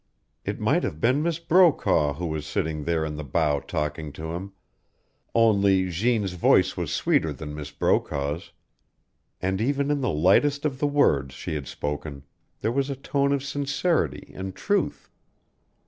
It might have been Miss Brokaw who was sitting there in the bow talking to him, only Jeanne's voice was sweeter than Miss Brokaw's; and even in the lightest of the words she had spoken there was a tone of sincerity and truth.